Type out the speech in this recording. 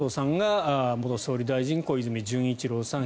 お父さんが元総理大臣小泉純一郎さん